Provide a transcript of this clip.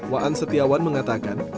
waan setiawan mengatakan